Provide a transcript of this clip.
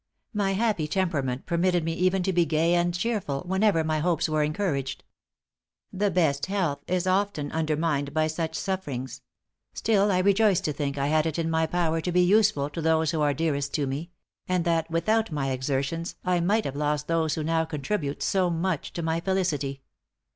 My happy temperament permitted me even to be gay and cheerful, whenever my hopes were encouraged. The best health is often undermined by such sufferings; still I rejoice to think I had it in my power to be useful to those who are dearest to me; and that without my exertions, I might have lost those who now contribute so much to my felicity.